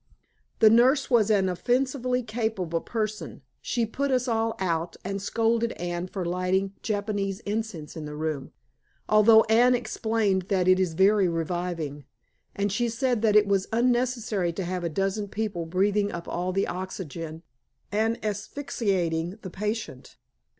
The nurse was an offensively capable person. She put us all out, and scolded Anne for lighting Japanese incense in the room although Anne explained that it is very reviving. And she said that it was unnecessary to have a dozen people breathing up all the oxygen and asphyxiating the patient.